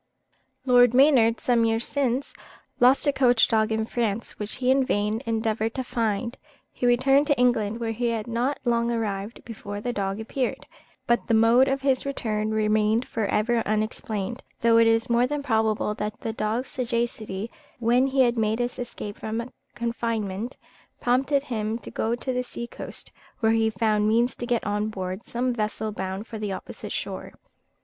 Lord Maynard, some years since, lost a coach dog in France, which he in vain endeavoured to find. He returned to England, where he had not long arrived before the dog appeared; but the mode of his return remained for ever unexplained, though it is more than probable that the dog's sagacity, when he had made his escape from confinement, prompted him to go to the sea coast, where he found means to get on board some vessel bound for the opposite shore.